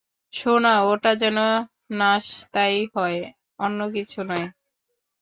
সোনা, ওটা যেন নাশতাই হয়, অন্য কিছু নয়।